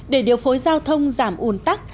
để điều phối giao thông giảm ủn tắc